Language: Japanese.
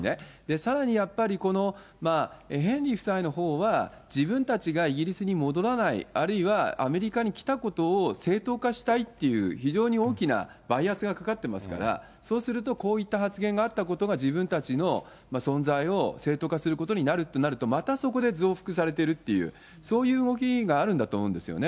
さらにやっぱり、このヘンリー夫妻のほうは、自分たちがイギリスに戻らない、あるいは、アメリカに来たことを正当化したいっていう、非常に大きなバイアスがかかってますから、そうすると、こういった発言があったことが自分たちの存在を正当化することになるとなると、また、そこで増幅されているっていう、そういう動きがあるんだと思うんですよね。